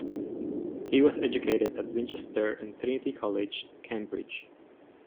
He was educated at Winchester and Trinity College, Cambridge.